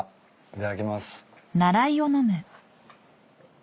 いただきます。